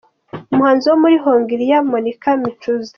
Umuhanzi wo muri Hongiriya ,Monika Miczura a.